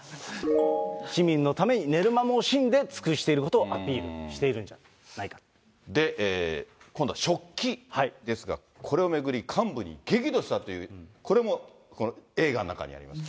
市民のために、寝る間も惜しんで尽くしていることをアピールしているんじゃないで、今度は食器ですが、これを巡り、幹部に激怒したという、これも映画の中にあります。